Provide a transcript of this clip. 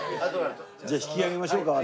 じゃあ引き揚げましょうか我々。